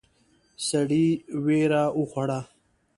سړی وېره وخوړه.